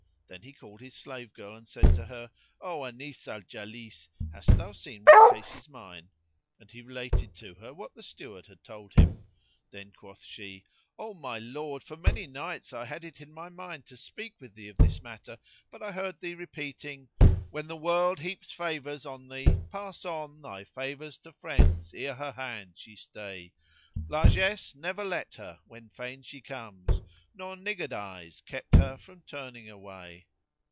Then he called his slave girl and said to her, "O Anis al Jalis, hast thou seen what case is mine?" And he related to her what the Steward had told him. Then quoth she, "O my lord, for many nights I had it in my mind to speak with thee of this matter, but I heard thee repeating, 'When the World heaps favours on thee, pass on * Thy favours to friends ere her hand she stay: Largesse never let her when fain she comes, * Nor niggardise kept her from turning away!'